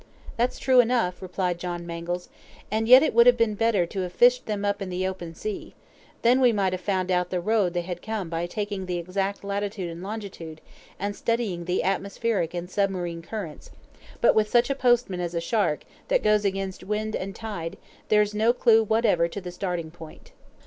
"That's true enough," replied John Mangles, "and yet it would have been better to have fished them up in the open sea. Then we might have found out the road they had come by taking the exact latitude and longitude, and studying the atmospheric and submarine currents; but with such a postman as a shark, that goes against wind and tide, there's no clew whatever to the starting point."